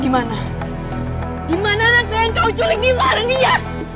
dimana dimana anak saya yang kau culik di warung iya